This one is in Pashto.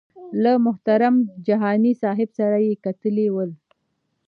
له محترم جهاني صاحب سره یې کتلي ول.